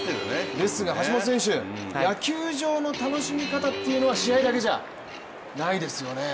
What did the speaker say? ですが橋本選手野球場の楽しみ方というのは試合だけじゃないですよね。